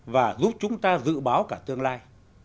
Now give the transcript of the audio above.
và giúp chúng ta dự báo cả tương lai